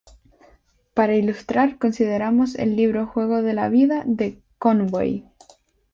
Para ilustrar, consideremos el libro "Juego de la Vida" de Conway.